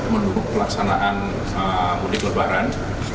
menurut pelaksanaan mudik lebaran